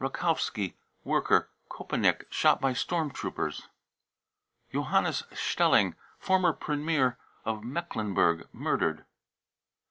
rakovski, worker, Kopenick, shot by ; storm troopers. (See report.) Johannes spelling, former premier of Mecklenburg, murdered.